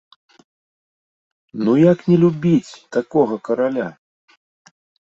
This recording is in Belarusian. Ну як не любіць такога караля?!